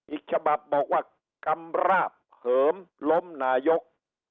อีกฉบับบอกว่ากำราบเหิมล้มนายก